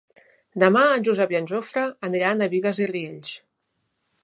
Demà en Josep i en Jofre aniran a Bigues i Riells.